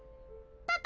パパ！